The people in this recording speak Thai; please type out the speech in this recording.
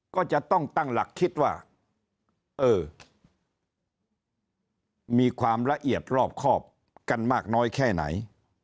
ก็จะต้องตั้งหลักคิดว่าเออมีความละเอียดรอบครอบกันมากน้อยแค่ไหน